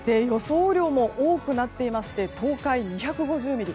雨量も多くなっていまして東海は２５０ミリ